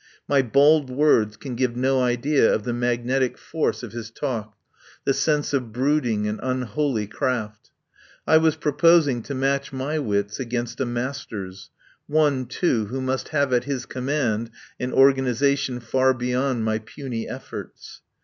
My bald words can give no idea of the magnetic force of his talk, the sense of brood ing and unholy craft. I was proposing to match my wits against a master's, one, too, who must have at his command an organisa tion far beyond my puny efforts.